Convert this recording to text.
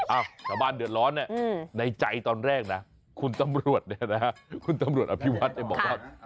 อ้าวชาวบ้านเดือดร้อนในใจตอนแรกคุณตำรวจคุณตำรวจอภิวัตรจะบอกว่า